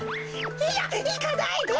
「いや！いかないで」。